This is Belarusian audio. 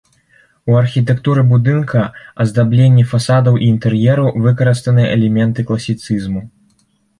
У архітэктуры будынка, аздабленні фасадаў і інтэр'ераў выкарыстаныя элементы класіцызму.